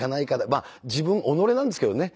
まあ自分己なんですけどね。